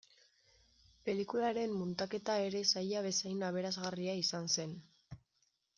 Pelikularen muntaketa ere zaila bezain aberasgarria izan zen.